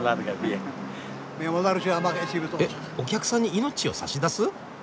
えお客さんに命を差し出す？